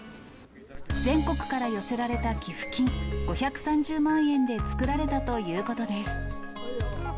全国から寄せられた寄付金５３０万円で作られたということです。